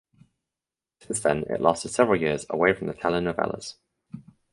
Since then it lasted several years away from the telenovelas.